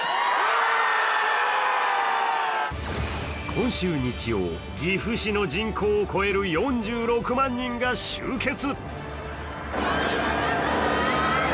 今週日曜、岐阜市の人口を超える４６万人が集結。